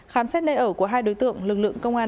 khám xét nơi ở của hai đối tượng lực lượng công an